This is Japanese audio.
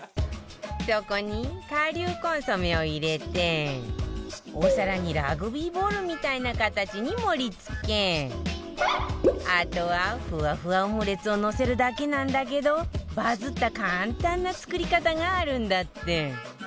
そこに顆粒コンソメを入れてお皿にラグビーボールみたいな形に盛り付けあとはふわふわオムレツをのせるだけなんだけどバズった簡単な作り方があるんだって